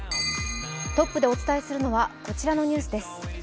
トップでお伝えするのはこちらのニュースです。